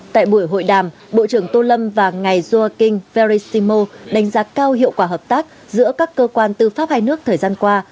tại buổi hội đàm bộ trưởng tô lâm và ngài yuaking vere stimo đánh giá cao hiệu quả hợp tác giữa các cơ quan tư pháp hai nước thời gian qua